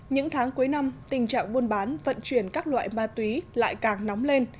những tháng cuối năm tình trạng buôn bán vận chuyển các loại ma túy lại càng nóng lên